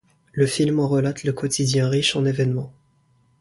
Le film en relate le quotidien riche en événements.